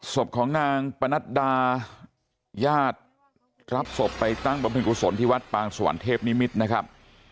ศพของนางปนัดดาญาติรับศพไปตั้งบำเพ็ญกุศลที่วัดปางสวรรคนิมิตรนะครับ